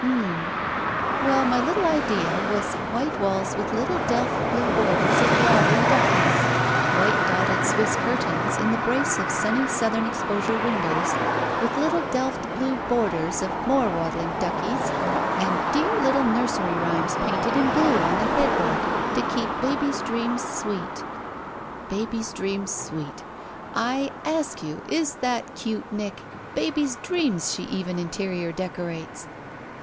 *'H m m!" "Well, my little idea was white walls with little Delft blue borders of waddling duckies; white dotted Swiss curtains in the brace of sunny southem e]q>osure windows, with little Delft blue borders erf more waddling duckies; and dear little ntu^ery rhymes painted in blue on the headboard to ke^ baby's dreams sweet." "— baby's dreams sweet! I ask you, is that cute, Nick? Baby's dreams she even interior decorates."